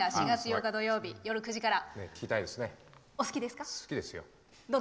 ４月８日土曜日夜９時から。